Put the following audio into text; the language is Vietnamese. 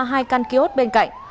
hai căn kiosk bên cạnh